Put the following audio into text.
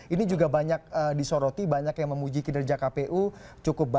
ini juga banyak disoroti banyak yang memuji kinerja kpu cukup banyak